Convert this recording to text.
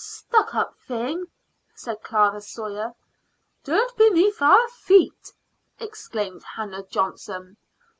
"Stuck up thing!" said Clara Sawyer. "Dirt beneath our feet!" exclaimed Hannah Johnson.